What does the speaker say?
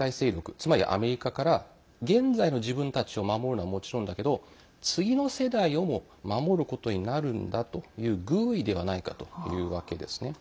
つまりアメリカから現在の自分たちを守るのはもちろんだけど次の世代をも守ることになるんだという寓意ではないかというわけですね。